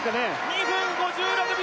２分５６秒